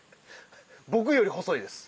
僕より細いです。